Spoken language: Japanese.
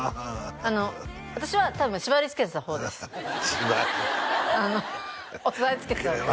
あの私は多分縛りつけてた方です「縛り」あの押さえつけてた方です